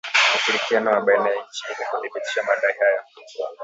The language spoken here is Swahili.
ushirikiano wa baina ya nchi ili kuthibitisha madai hayo